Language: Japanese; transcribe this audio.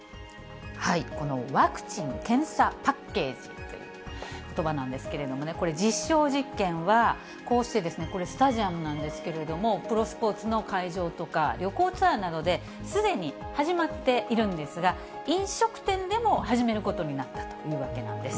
このワクチン・検査パッケージということばなんですけれどもね、これ、実証実験は、こうして、これスタジアムなんですけれども、プロスポーツの会場とか、旅行ツアーなどで、すでに始まっているんですが、飲食店でも始めることになったというわけなんです。